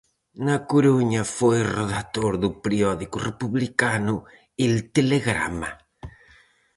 Na Coruña foi redactor do periódico republicano El Telegrama.